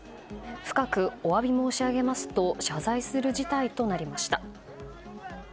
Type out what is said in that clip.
深くお詫び申し上げますと謝罪する事態となりました。